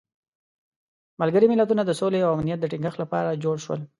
ملګري ملتونه د سولې او امنیت د تینګښت لپاره جوړ شول.